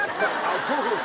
そろそろと？